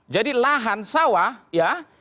jadi lahan sawah ya